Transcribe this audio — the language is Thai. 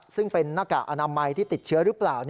ซึ่งเป็นหน้ากากอนามัยที่ติดเชื้อหรือเปล่า